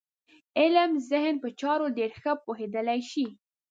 علم ذهن په چارو ډېر ښه پوهېدلی شي.